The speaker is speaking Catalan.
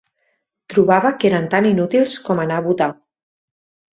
Trobava que eren tant inútils com anar a votar